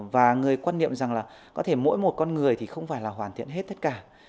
và người quan niệm rằng là có thể mỗi một con người thì không phải là hoàn thiện hết tất cả